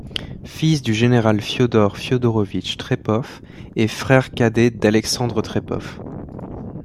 Fils du général Fiodor Fiodorovitch Trepov et frère cadet d'Alexandre Trepov.